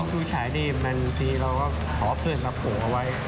จริงจูชัยนี่มันทีเราก็ขอเพื่อนมาปลูกเอาไว้